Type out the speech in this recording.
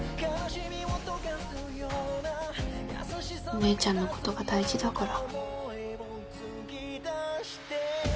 お姉ちゃんのことが大事だから。